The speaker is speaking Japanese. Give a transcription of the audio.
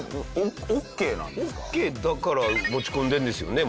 オッケーだから持ち込んでるんですよね？